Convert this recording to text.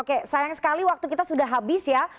oke sayang sekali waktu kita sudah habis ya